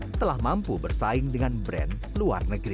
yang telah mampu bersaing dengan brand luar negeri